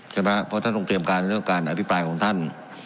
เพราะท่านต้องเตรียมการในเรื่องการอภิปรายของท่าน